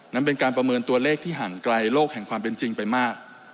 นั้นเป็นการประเมินตัวเลขที่ห่างไกลโลกแห่งความเป็นจริงไปมาก